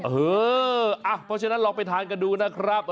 เพราะฉะนั้นลองไปทานกันดูนะครับ